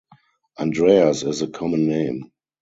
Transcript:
Andreas is a common name.